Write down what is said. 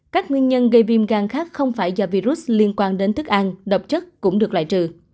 các nguyên nhân gây viêm gan khác không phải do virus liên quan đến thức ăn độc chất cũng được loại trừ